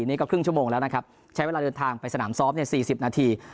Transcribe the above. นี่ก็ครึ่งชั่วโมงแล้วนะครับใช้เวลาเดินทางไปสนามซ้อม๔๐นาที